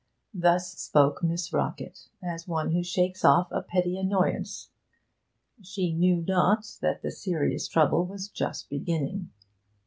Thus spoke Miss Rockett, as one who shakes off a petty annoyance she knew not that the serious trouble was just beginning.